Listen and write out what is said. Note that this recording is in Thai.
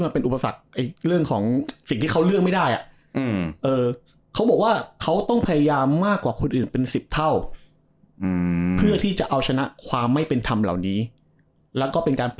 ภึนเพรย์ตัวเองแล้วใช่ไหม